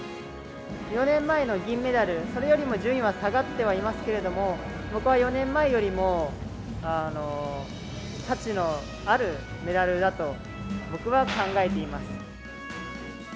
４年前の銀メダル、それよりも順位は下がってはいますけれども、僕は４年前よりも、価値のあるメダルだと、僕は考えています。